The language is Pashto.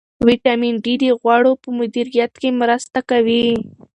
ویټامین ډي د غوړو په مدیریت کې مرسته کوي.